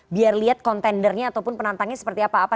biar lihat kontendernya ataupun penantangnya seperti apa apa